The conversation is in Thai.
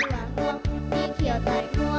ช้างมันตัวโตใม่บาวชมหัวเกาเจา